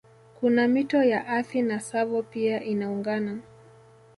Kuna mito ya Athi na Tsavo pia inaungana